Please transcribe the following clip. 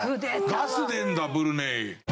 ガス出るんだブルネイ。